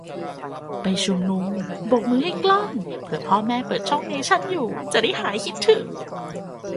ไปชุมนุมโบกมือให้กล้อง เผื่อพ่อแม่เปิดช่องเนชั่นอยู่จะได้หายคิดถึง